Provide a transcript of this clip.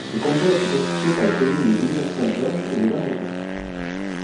Le canton était constitué par les communes de Villeneuve-Saint-Georges et de Valenton.